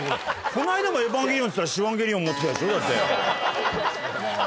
この間も『エヴァンゲリオン』っつったらシワンゲリオン持ってきたでしょだって。